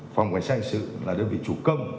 phòng cảnh sát hình sự là đơn vị chủ công